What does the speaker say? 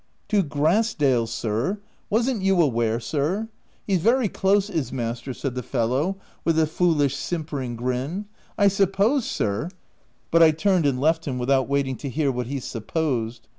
" To Grass dale, sir — wasn't you aware, sir ? He's very close, is master/' said the fellow with a foolish, simpering grin. "I suppose, sir— >' But I turned and left him, without waiting to hear what he supposed.